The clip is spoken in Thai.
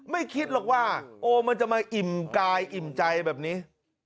ไม่คิดหรอกว่าโอมันจะมาอิ่มกายอิ่มใจแบบนี้